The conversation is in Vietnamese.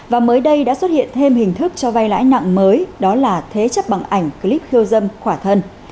và mới đây đã xuất hiện thêm hình thức cho vay lãi nặng mới đó là thế chấp bằng ảnh clip khiêu dâm khỏa thân